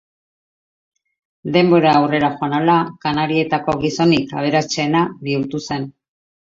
Denbora aurrera joan ahala, Kanarietako gizonik aberatsena bihurtu zen.